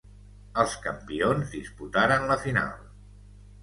Els campions disputaren la final.